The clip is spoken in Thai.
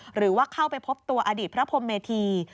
หรือว่าเข้าไปพบตัวอดีตพระพรมเมธี